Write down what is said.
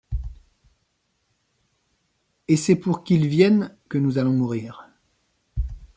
Et c’est pour qu’il vienne que nous allons mourir.